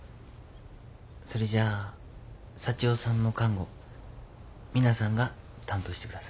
それじゃ左千夫さんの看護ミナさんが担当してください。